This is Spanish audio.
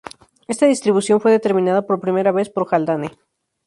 Esta distribución fue determinada por primera vez por Haldane.